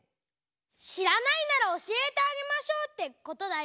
「知らないならおしえてあげましょう」ってことだよ。